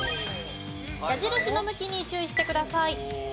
矢印の向きに注意してください。